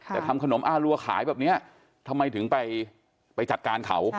แต่ทำขนมอารัวขายแบบนี้ทำไมถึงไปจัดการเขา